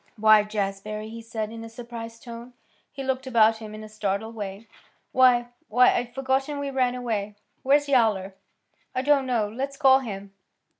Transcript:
"Why, Jazbury!" he said in a surprised tone. He looked about him in a startled way. "Why why I'd forgotten we ran away. Where's Yowler?" "I don't know. Let's call him."